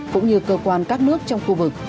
cũng như cơ quan các nước trong khu vực